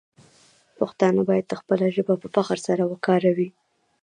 پښتانه باید خپله ژبه په فخر سره وکاروي.